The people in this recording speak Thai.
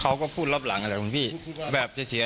เขาก็พูดรอบหลังแบบจะเสียหายอย่างนี้ครับ